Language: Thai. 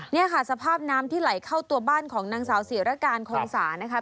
นี่ค่ะสภาพน้ำที่ไหลเข้าตัวบ้านของนางสาวศิรการคงสานะคะ